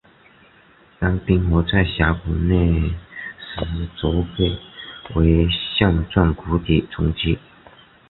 当冰河在峡谷内时则被称为线状谷底沉积。